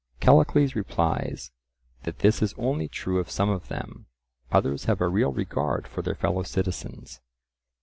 Callicles replies, that this is only true of some of them; others have a real regard for their fellow citizens.